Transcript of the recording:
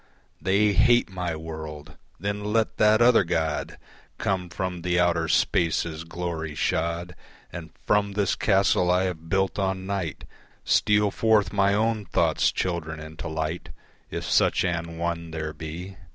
They hate my world! Then let that other God Come from the outer spaces glory shod, And from this castle I have built on Night Steal forth my own thought's children into light, If such an one there be.